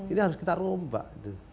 ini harus kita rombak